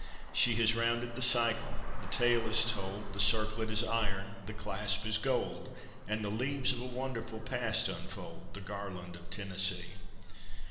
She has rounded the cycle, the tale is told; The circlet is iron, the clasp is gold; And the leaves of a wonderful past unfold The garland of Tennessee.